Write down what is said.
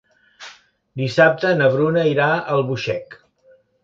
Dissabte na Bruna irà a Albuixec.